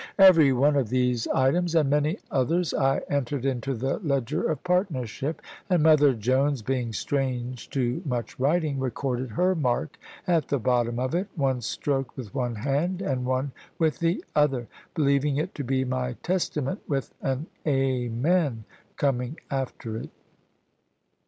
Every one of these items, and many others, I entered in the ledger of partnership; and Mother Jones, being strange to much writing, recorded her mark at the bottom of it (one stroke with one hand and one with the other), believing it to be my testament, with an Amen coming after it.